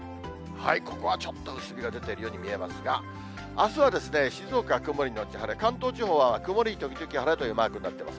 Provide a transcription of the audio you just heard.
ここはちょっと薄日が出ているように見えますが、あすは静岡曇り後晴れ、関東地方は、曇り時々晴れというマークになっています。